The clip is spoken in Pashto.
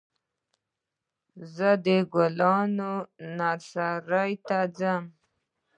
زه د ګلانو نرسرۍ ته ځم.